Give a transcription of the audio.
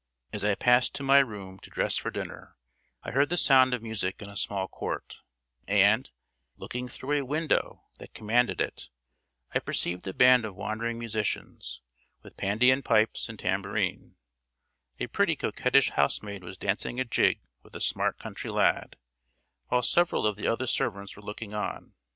As I passed to my room to dress for dinner, I heard the sound of music in a small court, and, looking through a window that commanded it, I perceived a band of wandering musicians, with pandean pipes and tambourine; a pretty coquettish housemaid was dancing a jig with a smart country lad, while several of the other servants were looking on.